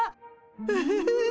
ウフフフフ。